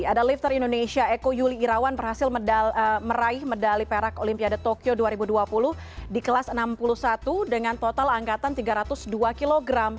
ada lifter indonesia eko yuli irawan berhasil meraih medali perak olimpiade tokyo dua ribu dua puluh di kelas enam puluh satu dengan total angkatan tiga ratus dua kg